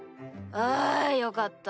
あよかった。